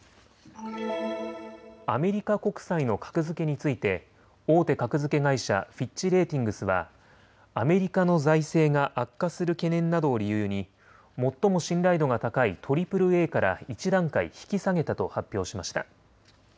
アメリカ国債の格付けについて大手格付け会社、フィッチ・レーティングスはアメリカの財政が悪化する懸念などを理由に最も信頼度が高いＡＡＡから１段階引き下げたと発表しました。